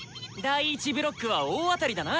第１ブロックは大当たりだな！